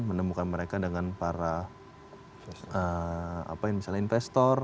menemukan mereka dengan para investor